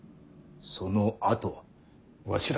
そのあとは。